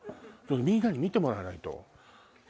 みんなに見てもらわないと。